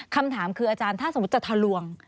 คำถามคืออาจารย์ถ้าสมมุติจะทะลวง